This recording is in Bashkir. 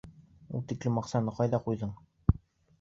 — Ул тиклем аҡсаны ҡайҙа ҡуйҙың?